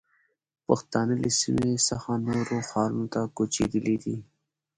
پښتانه له سیمې څخه نورو ښارونو ته کوچېدلي دي.